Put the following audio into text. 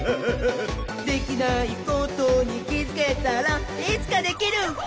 「できないことにきづけたらいつかできるひゃっほ」